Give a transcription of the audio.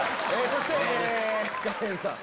そしてカレンさん。